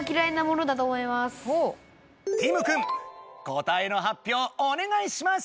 ティムくん答えの発表をお願いします。